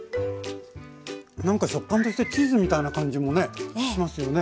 なんか食感としてチーズみたいな感じもねしますよね。